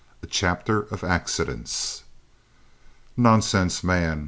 A CHAPTER OF ACCIDENTS. "Nonsense, man!"